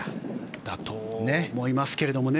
だと思いますけれどもね。